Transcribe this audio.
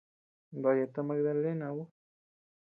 Daya ta Magdalena ú.